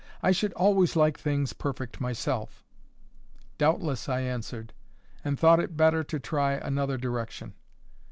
"I should always like things perfect myself." "Doubtless," I answered; and thought it better to try another direction.